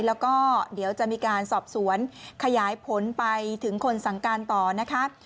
แล้วก็เดี๋ยวจะมีการสอบสวนขยายผลไปถึงคนสั่งการต่อนะคะ